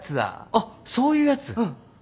あっそういうやつ。